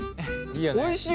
おいしい。